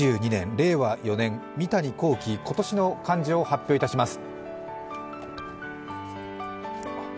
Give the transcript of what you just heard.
令和４年三谷幸喜、今年の漢字を発表します